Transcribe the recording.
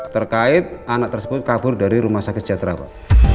terkait anak tersebut kabur dari rumah sakit sejahtera pak